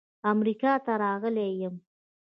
امریکا ته راغلی یم.